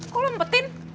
kok lu empetin